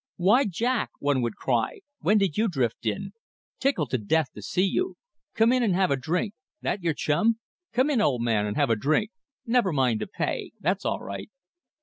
"Why, Jack!" one would cry, "when did you drift in? Tickled to death to see you! Come in an' have a drink. That your chum? Come in, old man, and have a drink. Never mind the pay; that's all right."